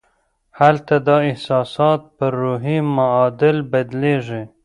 هلته دا احساسات پر روحي معادل بدلېږي